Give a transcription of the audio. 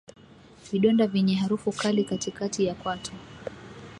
Vidonda vyenye harufu kali katikati ya kwato